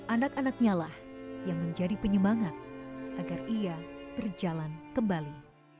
anak anaknya lah yang menjadi penyemangat agar ia berjalan kembali